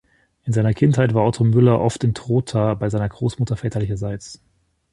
In seiner Kindheit war Otto Müller oft in Trotha bei seiner Großmutter väterlicherseits.